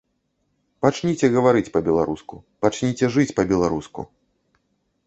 Пачніце гаварыць па-беларуску, пачніце жыць па-беларуску.